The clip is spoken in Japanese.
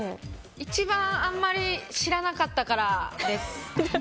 一番あんまり知らなかったからです。